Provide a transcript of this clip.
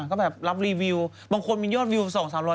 ก็แบบรับรีวิวบางคนมียอดรีวิวสองสามร้อย